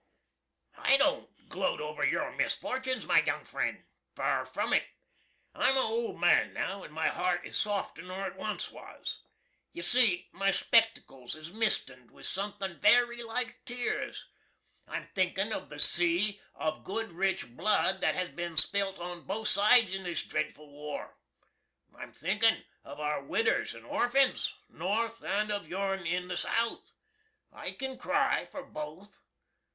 "I don't gloat over your misfortuns, my young fren'. Fur from it. I'm a old man now, & my hart is softer nor it once was. You see my spectacles is misten'd with suthin' very like tears. I'm thinkin' of the sea of good rich Blud that has been spilt on both sides in this dredful war! I'm thinkin' of our widders and orfuns North, and of your'n in the South. I kin cry for both.